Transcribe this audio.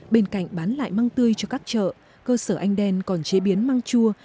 bên cạnh bán lại măng tươi cho các chợ cơ sở anh đen còn chế biến măng chua